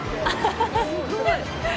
すごい。